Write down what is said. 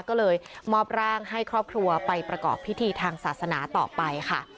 ก็เลยมอบร่างให้ครอบครัวไปประกอบพิธีทางศาสนาต่อไปค่ะ